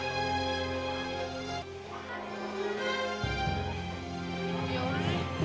ya allah di